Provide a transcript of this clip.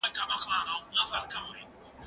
زه اوس انځور ګورم؟